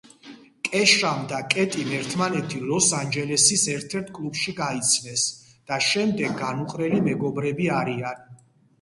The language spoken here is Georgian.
კეშამ და კეტიმ ერთმანეთი ლოს-ანჯელესის ერთ-ერთ კლუბში გაიცნეს და მას შემდეგ განუყრელი მეგობრები არიან.